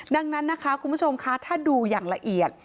ดังนั้นนะคะคุณผู้ชมคะถ้าดูอย่างละเอียด